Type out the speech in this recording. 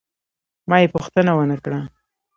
ما یې پوښتنه ونه کړه.